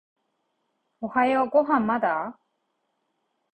おはようご飯まだ？